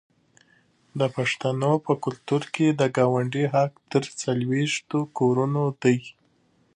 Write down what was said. د پښتنو په کلتور کې د ګاونډي حق تر څلوېښتو کورونو دی.